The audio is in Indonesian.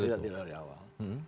tidak tidak dari awal